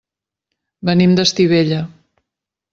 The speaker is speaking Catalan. Venim d'Estivella.